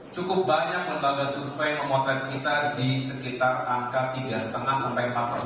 cukup banyak lembaga survei memotret kita di sekitar angka tiga lima sampai empat persen